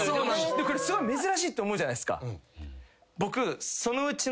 すごい珍しいと思うじゃないですか？